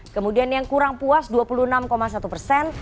kemudian yang kurang puas dua puluh enam satu persen